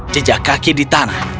jejak kaki di tanah